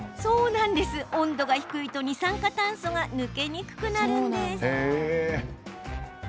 温度が低いと二酸化炭素が抜けにくくなるんです。